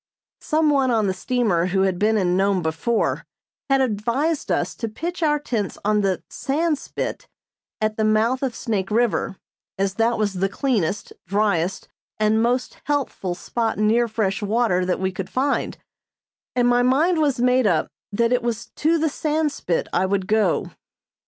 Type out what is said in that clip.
Some one on the steamer who had been in Nome before had advised us to pitch our tents on the "Sandspit" at the mouth of Snake River, as that was the cleanest, driest and most healthful spot near fresh water that we could find; and my mind was made up that it was to the Sandspit I would go.